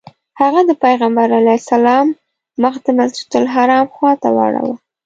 هغه د پیغمبر علیه السلام مخ د مسجدالحرام خواته واړوه.